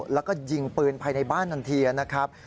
แล้วก็ยิงปืนภายในบ้านทันทีนะครับ